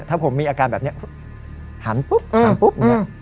ถ้าผมมีอาการแบบนี้หันปุ๊บห่างปุ๊บ